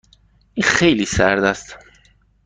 این خیلی سرد است.